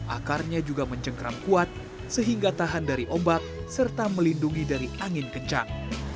akarnya juga mencengkram kuat sehingga tahan dari ombak serta melindungi dari angin kencang